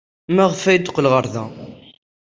Maɣef ay d-teqqel ɣer da?